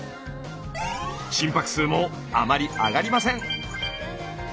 心拍数もあまり上がりません。